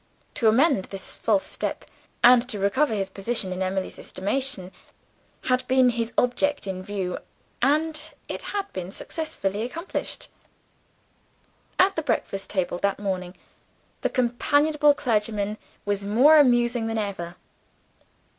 To amend this false step, and to recover his position in Emily's estimation, had been his object in view and it had been successfully accomplished. At the breakfast table that morning, the companionable clergyman was more amusing than ever.